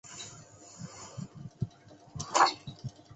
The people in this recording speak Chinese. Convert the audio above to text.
邓琬人。